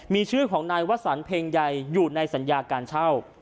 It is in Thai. มีชื่อของนายวสันเพ็งใยอยู่ในสัญญาการเช่า